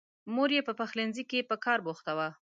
مور یې په پخلنځي کې په کار بوخته وه.